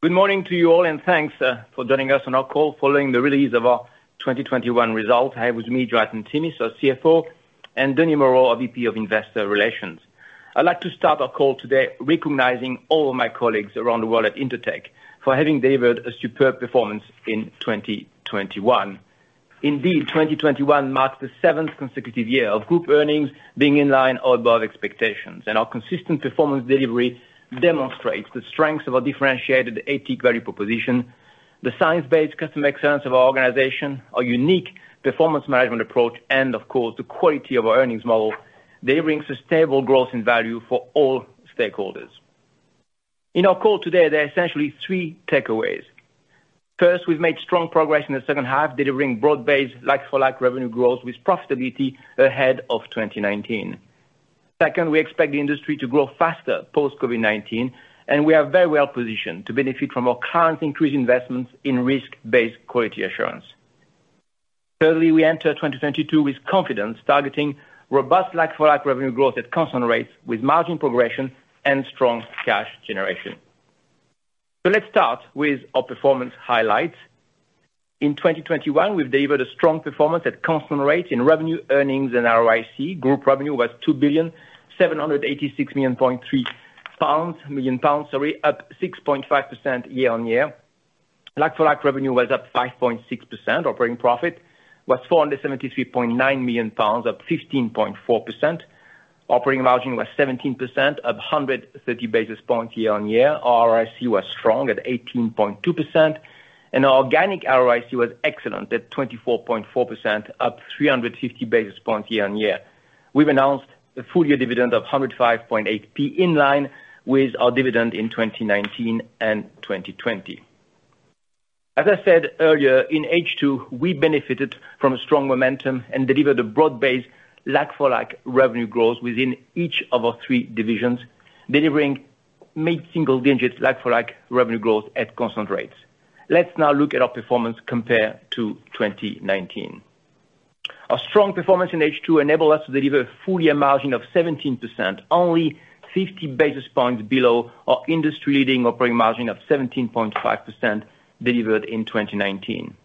Good morning to you all, and thanks for joining us on our call following the release of our 2021 results. I am with you, Jonathan Timmis, our CFO, and Denis Moreau, our VP of Investor Relations. I'd like to start our call today recognizing all of my colleagues around the world at Intertek for having delivered a superb performance in 2021. Indeed, 2021 marks the 7th consecutive year of group earnings being in line or above expectations. Our consistent performance delivery demonstrates the strengths of our differentiated ATIC value proposition, the science-based customer excellence of our organization, our unique performance management approach, and of course, the quality of our earnings model. They bring sustainable growth and value for all stakeholders. In our call today, there are essentially three takeaways. First, we've made strong progress in the second half, delivering broad-based like-for-like revenue growth with profitability ahead of 2019. Second, we expect the industry to grow faster post-COVID-19, and we are very well-positioned to benefit from our current increased investments in risk-based quality assurance. Thirdly, we enter 2022 with confidence, targeting robust like-for-like revenue growth at constant rates, with margin progression and strong cash generation. Let's start with our performance highlights. In 2021, we've delivered a strong performance at constant rates in revenue, earnings and ROIC. Group revenue was 2,786.3 million, up 6.5% year-over-year. Like-for-like revenue was up 5.6%. Operating profit was 473.9 million pounds, up 15.4%. Operating margin was 17%, up 130 basis points year-over-year. ROIC was strong at 18.2%, and our organic ROIC was excellent, at 24.4%, up 350 basis points year-over-year. We've announced the full-year dividend of 105.8p, in line with our dividend in 2019 and 2020. As I said earlier, in H2, we benefited from a strong momentum and delivered a broad-based like-for-like revenue growth within each of our three divisions, delivering mid-single digits like-for-like revenue growth at constant rates. Let's now look at our performance compared to 2019. Our strong performance in H2 enabled us to deliver a full-year margin of 17%, only 50 basis points below our industry leading operating margin of 17.5% delivered in 2019.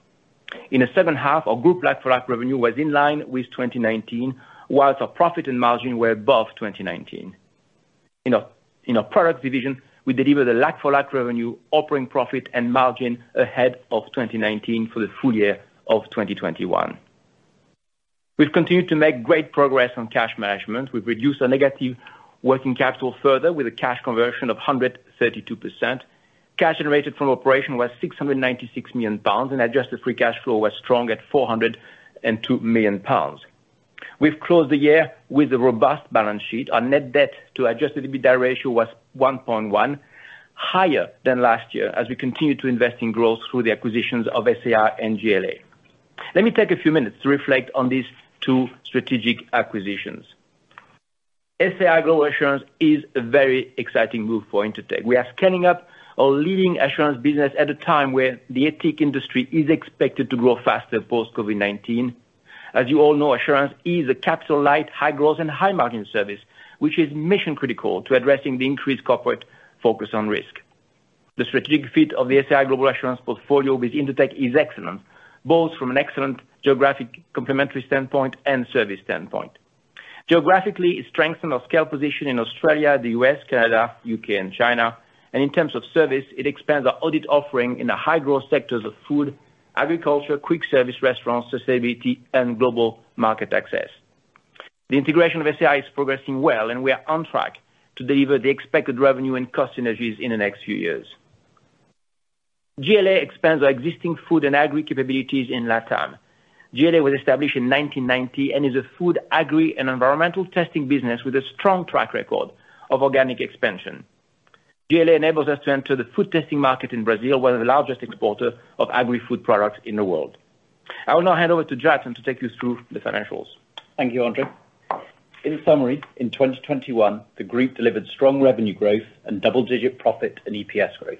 In the second half, our group like-for-like revenue was in line with 2019, while our profit and margin were above 2019. In our product division, we delivered a like-for-like revenue, operating profit and margin ahead of 2019 for the full-year of 2021. We've continued to make great progress on cash management. We've reduced our negative working capital further with a cash conversion of 132%. Cash generated from operations was 696 million pounds, and adjusted free cash flow was strong at 402 million pounds. We've closed the year with a robust balance sheet. Our net debt to Adjusted EBITDA ratio was 1.1, higher than last year as we continue to invest in growth through the acquisitions of SAI and JLA. Let me take a few minutes to reflect on these two strategic acquisitions. SAI Global Assurance is a very exciting move for Intertek. We are scaling up our leading assurance business at a time where the ATIC industry is expected to grow faster post-COVID-19. As you all know, assurance is a capital light, high growth and high margin service, which is mission critical to addressing the increased corporate focus on risk. The strategic fit of the SAI Global Assurance portfolio with Intertek is excellent, both from an excellent geographic complementary standpoint and service standpoint. Geographically, it strengthen our scale position in Australia, the U.S., Canada, U.K. and China. In terms of service, it expands our audit offering in the high-growth sectors of food, agriculture, quick service restaurants, sustainability and global market access. The integration of SAI is progressing well, and we are on track to deliver the expected revenue and cost synergies in the next few years. JLA expands our existing food and agri capabilities in LATAM. JLA was established in 1990 and is a food, agri and environmental testing business with a strong track record of organic expansion. JLA enables us to enter the food testing market in Brazil, one of the largest exporter of agri-food products in the world. I will now hand over to Jonathan to take you through the financials. Thank you, André. In summary, in 2021, the group delivered strong revenue growth and double-digit profit and EPS growth.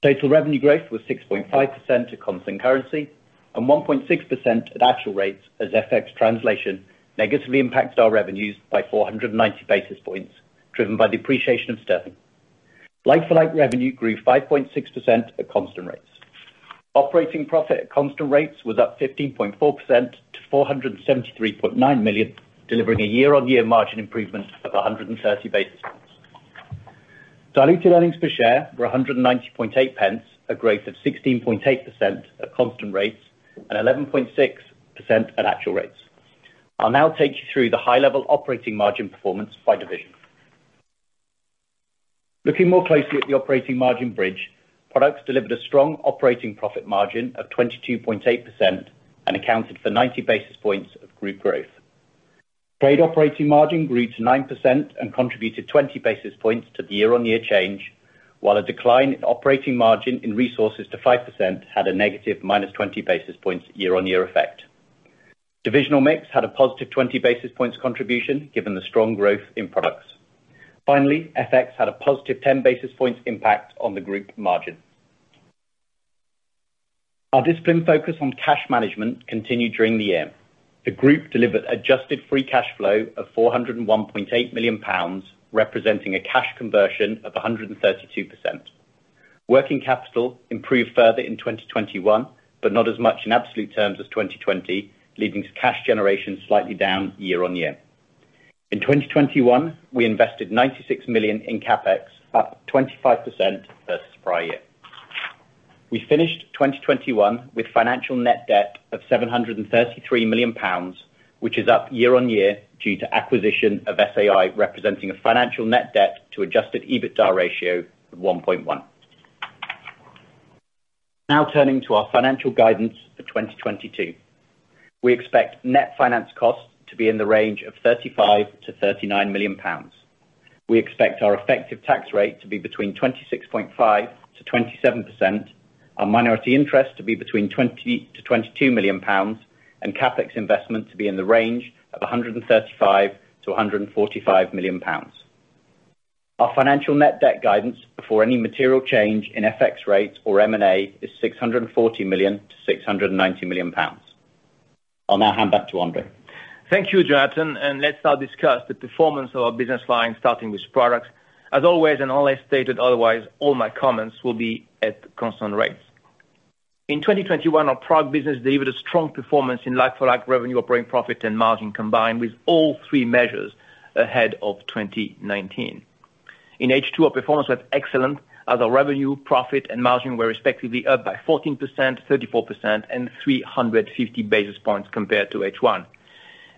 Total revenue growth was 6.5% at constant currency and 1.6% at actual rates as FX translation negatively impacted our revenues by 490 basis points, driven by depreciation of sterling. Like-for-like revenue grew 5.6% at constant rates. Operating profit at constant rates was up 15.4% to 473.9 million, delivering a year-on-year margin improvement of 130 basis points. Diluted earnings per share were 190.8 pence, a growth of 16.8% at constant rates and 11.6% at actual rates. I'll now take you through the high level operating margin performance by division. Looking more closely at the operating margin bridge, Products delivered a strong operating profit margin of 22.8% and accounted for 90 basis points of group growth. Trade operating margin grew to 9% and contributed 20 basis points to the year-on-year change, while a decline in operating margin in Resources to 5% had a negative -20 basis points year-on-year effect. Divisional mix had a positive 20 basis points contribution, given the strong growth in Products. Finally, FX had a positive 10 basis points impact on the group margin. Our discipline focus on cash management continued during the year. The group delivered adjusted free cash flow of 401.8 million pounds, representing a cash conversion of 132%. Working capital improved further in 2021, but not as much in absolute terms as 2020, leading to cash generation slightly down year-on-year. In 2021, we invested 96 million in CapEx, up 25% versus prior-year. We finished 2021 with financial net debt of 733 million pounds, which is up year-on-year due to acquisition of SAI, representing a financial net debt to Adjusted EBITDA ratio of 1.1. Now turning to our financial guidance for 2022. We expect net finance costs to be in the range of 35 million to 39 million pounds. We expect our effective tax rate to be between 26.5% to 27%, our minority interest to be between 20 million to 22 million pounds, and CapEx investment to be in the range of 135 million to 145 million pounds. Our financial net debt guidance before any material change in FX rates or M&A is 640 million to 690 million pounds. I'll now hand back to André. Thank you, Jonathan, and let's now discuss the performance of our business line, starting with products. As always, and unless stated otherwise, all my comments will be at constant rates. In 2021, our product business delivered a strong performance in like-for-like revenue, operating profit and margin combined with all three measures ahead of 2019. In H2, our performance was excellent as our revenue, profit and margin were respectively up by 14%, 34% and 350 basis points compared to H1.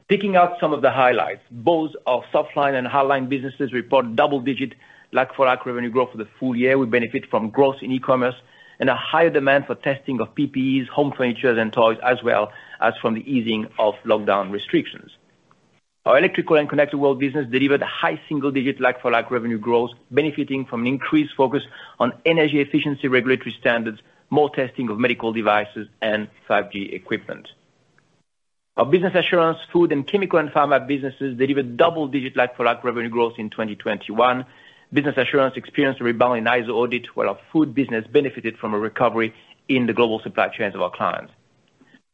Picking out some of the highlights, both our softline and hardline businesses report double-digit like-for-like revenue growth for the full-year. We benefit from growth in e-commerce and a higher demand for testing of PPEs, home furniture and toys, as well as from the easing of lockdown restrictions. Our Electrical and Connected World business delivered high single-digit like-for-like revenue growth, benefiting from an increased focus on energy efficiency regulatory standards, more testing of medical devices and 5G equipment. Our Business Assurance, food and chemical and pharma businesses delivered double-digit like-for-like revenue growth in 2021. Business Assurance experienced a rebound in ISO audit, while our food business benefited from a recovery in the global supply chains of our clients.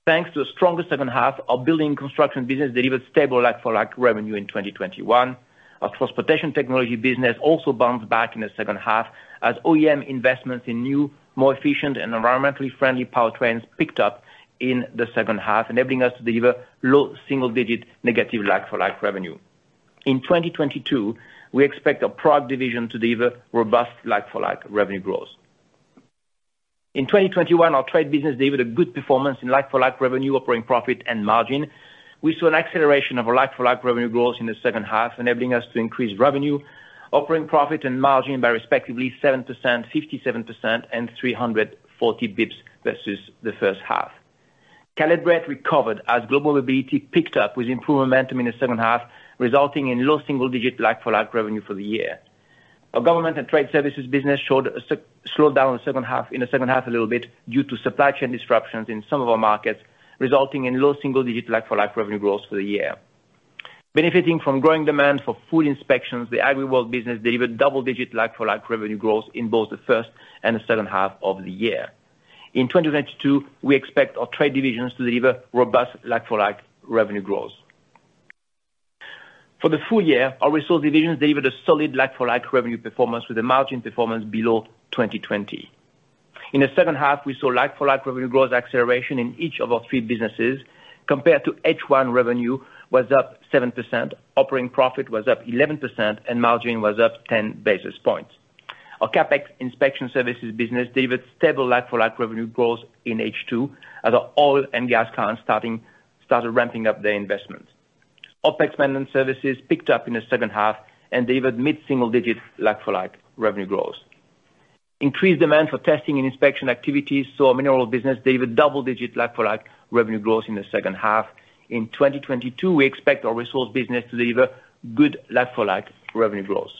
Thanks to a stronger second half, our Building & Construction business delivered stable like-for-like revenue in 2021. Our Transportation Technologies business also bounced back in the second half as OEM investments in new, more efficient and environmentally friendly powertrains picked up in the second half, enabling us to deliver low single-digit negative like-for-like revenue. In 2022, we expect our product division to deliver robust like-for-like revenue growth. In 2021, our trade business delivered a good performance in like-for-like revenue, operating profit and margin. We saw an acceleration of our like-for-like revenue growth in the second half, enabling us to increase revenue, operating profit and margin by respectively 7%, 57% and 340 BPS versus the first half. Caleb Brett recovered as global mobility picked up with improved momentum in the second half, resulting in low single-digit like-for-like revenue for the year. Our Government and Trade Services business showed a slowdown in the second half a little bit due to supply chain disruptions in some of our markets, resulting in low single-digit like-for-like revenue growth for the year. Benefiting from growing demand for food inspections, the AgriWorld business delivered double-digit like-for-like revenue growth in both the first and the second half of the year. In 2022, we expect our trade divisions to deliver robust like-for-like revenue growth. For the full-year, our resource divisions delivered a solid like-for-like revenue performance with a margin performance below 2020. In the second half, we saw like-for-like revenue growth acceleration in each of our three businesses. Compared to H1 revenue was up 7%, operating profit was up 11%, and margin was up 10 basis points. Our CapEx inspection services business delivered stable like-for-like revenue growth in H2 as our oil and gas clients started ramping up their investments. OpEx maintenance services picked up in the second half and delivered mid-single-digit like-for-like revenue growth. Increased demand for testing and inspection activities saw mineral business deliver double-digit like-for-like revenue growth in the second half. In 2022, we expect our resource business to deliver good like-for-like revenue growth.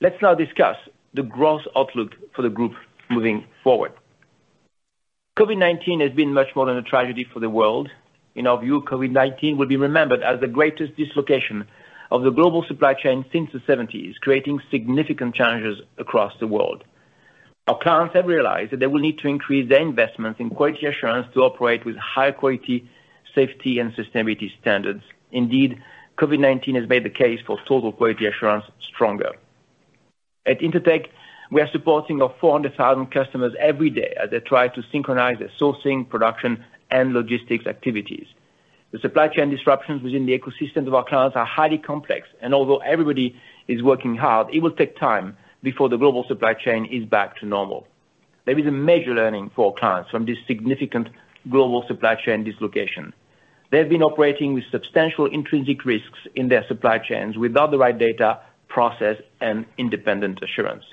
Let's now discuss the growth outlook for the group moving forward. COVID-19 has been much more than a tragedy for the world. In our view, COVID-19 will be remembered as the greatest dislocation of the global supply chain since the seventies, creating significant challenges across the world. Our clients have realized that they will need to increase their investments in quality assurance to operate with high quality, safety and sustainability standards. Indeed, COVID-19 has made the case for Total Quality Assurance stronger. At Intertek, we are supporting our 400,000 customers every day as they try to synchronize their sourcing, production and logistics activities. The supply chain disruptions within the ecosystem of our clients are highly complex and although everybody is working hard, it will take time before the global supply chain is back to normal. There is a major learning for our clients from this significant global supply chain dislocation. They've been operating with substantial intrinsic risks in their supply chains without the right data, process and independent assurance.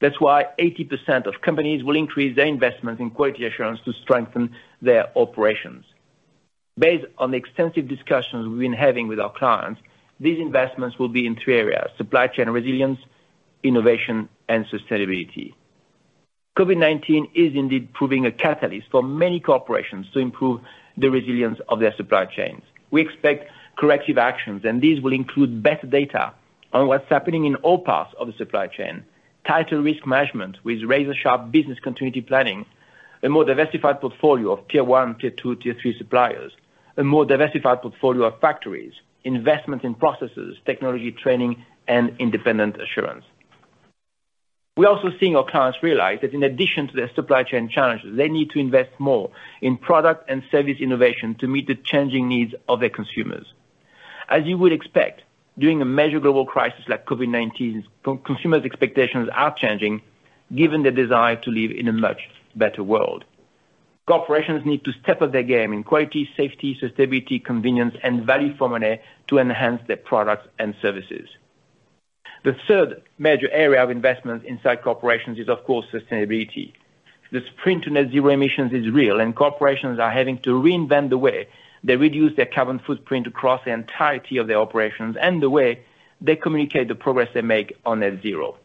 That's why 80% of companies will increase their investment in quality assurance to strengthen their operations. Based on the extensive discussions we've been having with our clients, these investments will be in three areas: supply chain resilience, innovation, and sustainability. COVID-19 is indeed proving a catalyst for many corporations to improve the resilience of their supply chains. We expect corrective actions, and these will include better data on what's happening in all parts of the supply chain, tighter risk management with razor-sharp business continuity planning, a more diversified portfolio of tier one, tier two, tier three suppliers, a more diversified portfolio of factories, investment in processes, technology training, and independent assurance. We're also seeing our clients realize that in addition to their supply chain challenges, they need to invest more in product and service innovation to meet the changing needs of their consumers. As you would expect, during a major global crisis like COVID-19, consumers' expectations are changing given the desire to live in a much better world. Corporations need to step up their game in quality, safety, sustainability, convenience, and value for money to enhance their products and services. The third major area of investment inside corporations is, of course, sustainability. The sprint to Net Zero emissions is real, and corporations are having to reinvent the way they reduce their carbon footprint across the entirety of their operations and the way they communicate the progress they make on Net Zero.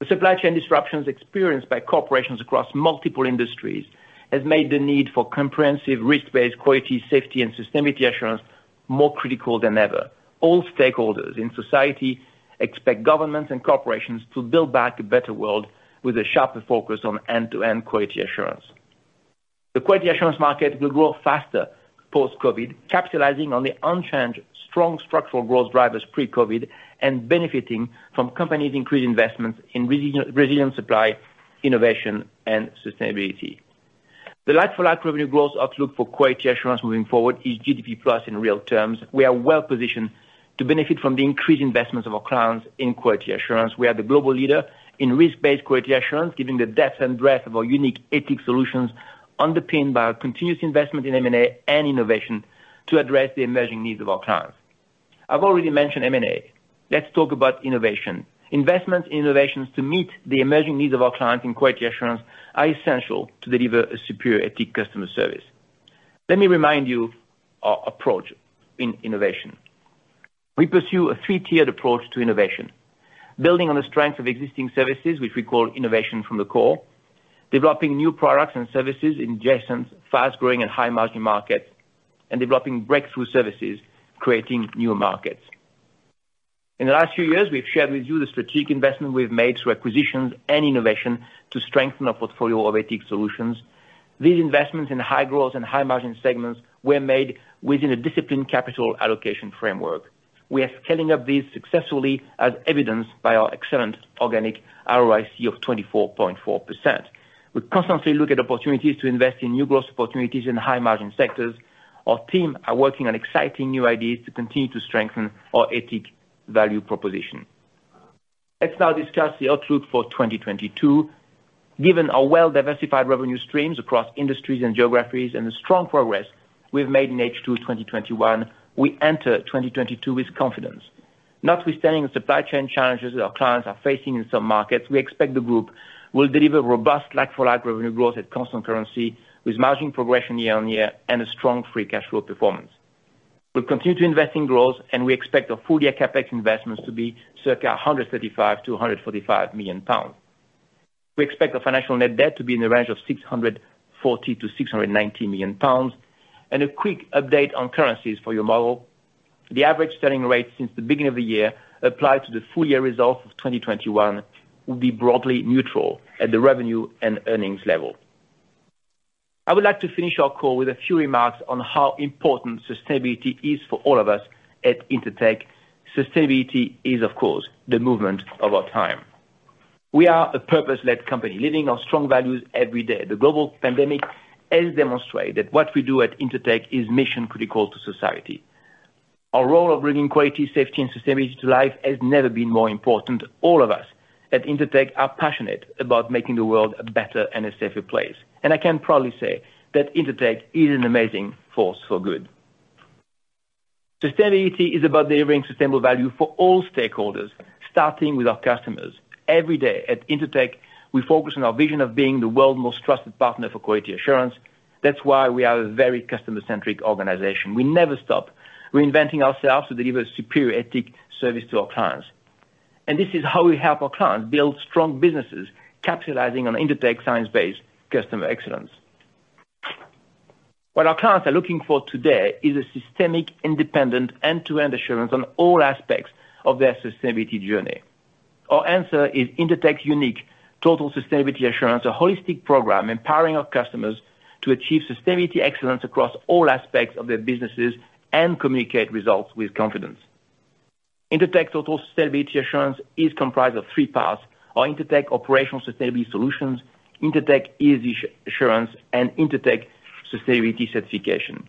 The supply chain disruptions experienced by corporations across multiple industries has made the need for comprehensive risk-based quality, safety, and sustainability assurance more critical than ever. All stakeholders in society expect governments and corporations to build back a better world with a sharper focus on end-to-end quality assurance. The quality assurance market will grow faster post-COVID, capitalizing on the unchanged, strong structural growth drivers pre-COVID, and benefiting from companies' increased investments in resilient supply, innovation, and sustainability. The like-for-like revenue growth outlook for quality assurance moving forward is GDP plus in real terms. We are well-positioned to benefit from the increased investments of our clients in quality assurance. We are the global leader in risk-based quality assurance, giving the depth and breadth of our unique ATIC solutions, underpinned by our continuous investment in M&A and innovation to address the emerging needs of our clients. I've already mentioned M&A. Let's talk about innovation. Investment in innovations to meet the emerging needs of our clients in quality assurance are essential to deliver a superior ATIC customer service. Let me remind you our approach in innovation. We pursue a three-tiered approach to innovation, building on the strength of existing services, which we call innovation from the core, developing new products and services in adjacent, fast-growing and high-margin markets, and developing breakthrough services, creating new markets. In the last few years, we've shared with you the strategic investment we've made through acquisitions and innovation to strengthen our portfolio of ATIC solutions. These investments in high-growth and high-margin segments were made within a disciplined capital allocation framework. We are scaling up these successfully as evidenced by our excellent organic ROIC of 24.4%. We constantly look at opportunities to invest in new growth opportunities in high-margin sectors. Our team are working on exciting new ideas to continue to strengthen our ATIC value proposition. Let's now discuss the outlook for 2022. Given our well-diversified revenue streams across industries and geographies and the strong progress we've made in H2 2021, we enter 2022 with confidence. Notwithstanding the supply chain challenges that our clients are facing in some markets, we expect the group will deliver robust like-for-like revenue growth at constant currency, with margin progression year-on-year and a strong free cash flow performance. We'll continue to invest in growth, and we expect our full-year CapEx investments to be circa 135 million pounds to 145 million pounds. We expect our financial net debt to be in the range of 640 million to 690 million pounds. A quick update on currencies for your model. The average sterling rate since the beginning of the year applied to the full-year results of 2021 will be broadly neutral at the revenue and earnings level. I would like to finish our call with a few remarks on how important sustainability is for all of us at Intertek. Sustainability is, of course, the movement of our time. We are a purpose-led company, living our strong values every day. The global pandemic has demonstrated what we do at Intertek is mission-critical to society. Our role of bringing quality, safety, and sustainability to life has never been more important. All of us at Intertek are passionate about making the world a better and a safer place. I can proudly say that Intertek is an amazing force for good. Sustainability is about delivering sustainable value for all stakeholders, starting with our customers. Every day at Intertek, we focus on our vision of being the world's most trusted partner for quality assurance. That's why we are a very customer-centric organization. We never stop reinventing ourselves to deliver superior ATIC service to our clients. This is how we help our clients build strong businesses, capitalizing on Intertek science-based customer excellence. What our clients are looking for today is a systematic, independent, end-to-end assurance on all aspects of their sustainability journey. Our answer is Intertek's unique Total Sustainability Assurance, a holistic program empowering our customers to achieve sustainability excellence across all aspects of their businesses and communicate results with confidence. Intertek Total Sustainability Assurance is comprised of 3 parts: our Intertek Operational Sustainability Solutions, Intertek ESG Assurance, and Intertek Corporate Sustainability Certification.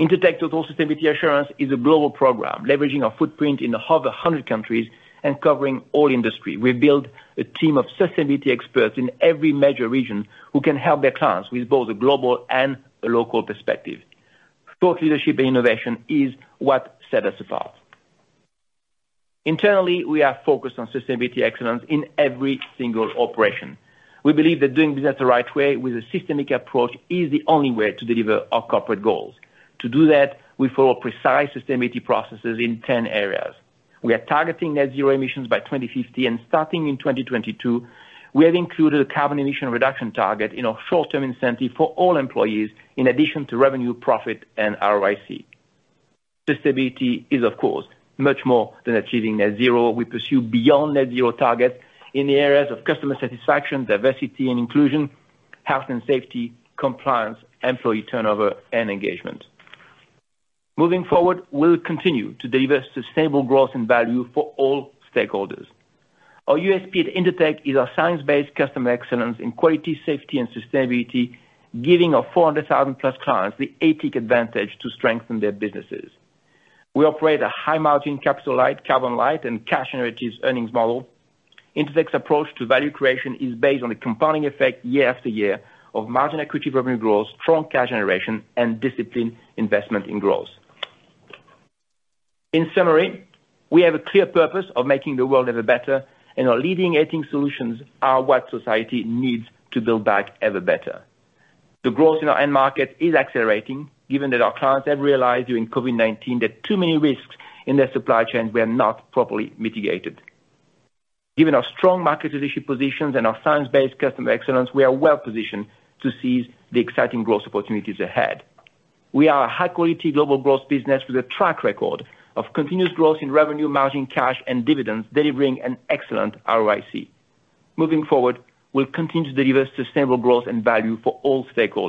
Intertek Total Sustainability Assurance is a global program leveraging our footprint in over 100 countries and covering all industry. We build a team of sustainability experts in every major region who can help their clients with both a global and a local perspective. Thought leadership and innovation is what set us apart. Internally, we are focused on sustainability excellence in every single operation. We believe that doing business the right way with a systemic approach is the only way to deliver our corporate goals. To do that, we follow precise sustainability processes in 10 areas. We are targeting Net Zero emissions by 2050, and starting in 2022, we have included a carbon emission reduction target in our short-term incentive for all employees, in addition to revenue, profit, and ROIC. Sustainability is, of course, much more than achieving Net Zero. We pursue beyond Net Zero targets in the areas of customer satisfaction, diversity and inclusion, health and safety, compliance, employee turnover, and engagement. Moving forward, we'll continue to deliver sustainable growth and value for all stakeholders. Our USP at Intertek is our science-based customer excellence in quality, safety, and sustainability, giving our 400,000+ clients the ATIC advantage to strengthen their businesses. We operate a high margin, capital light, carbon light, and cash-generative earnings model. Intertek's approach to value creation is based on the compounding effect year-after-year of margin equity revenue growth, strong cash generation, and disciplined investment in growth. In summary, we have a clear purpose of making the world a little better, and our leading ATIC solutions are what society needs to build back ever better. The growth in our end market is accelerating, given that our clients have realized during COVID-19 that too many risks in their supply chain were not properly mitigated. Given our strong market leadership positions and our science-based customer excellence, we are well positioned to seize the exciting growth opportunities ahead. We are a high-quality global growth business with a track record of continuous growth in revenue, margin, cash, and dividends, delivering an excellent ROIC. Moving forward, we'll continue to deliver sustainable growth and value for all stakeholders.